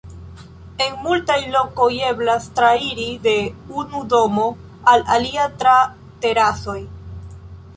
En multaj lokoj eblas trairi de unu domo al alia tra terasoj.